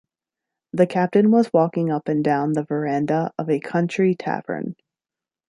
The Captain was walking up and down the veranda of a country tavern.